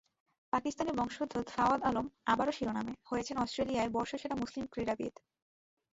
পাকিস্তানি বংশোদ্ভূত ফাওয়াদ আলম আবারও শিরোনামে, হয়েছেন অস্ট্রেলিয়ার বর্ষসেরা মুসলিম ক্রীড়াবিদ।